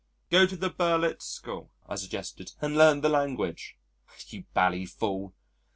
"Go to the Berlitz School," I suggested, "and learn the language." "You bally fool....